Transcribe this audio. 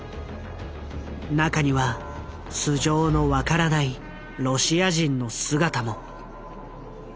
中には素性の分からないロシア人の姿も。